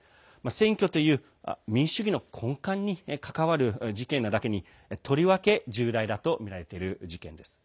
選挙という民主主義の根幹に関わる事件なだけにとりわけ重大だとみられている事件です。